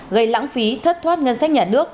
gây lãng phí thất thoát ngân sách nhà nước